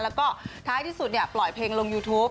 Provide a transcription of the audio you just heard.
แล้วก็ท้ายที่สุดปล่อยเพลงลงยูทูป